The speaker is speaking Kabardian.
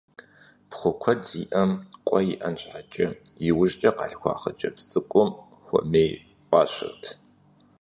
Пхъу куэд зиӀэм, къуэ иӀэн щхьэкӀэ, иужькӀэ къалъхуа хъыджэбз цӀыкӀум «Хуэмей» фӀащырт.